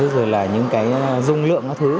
rồi những cái dung lượng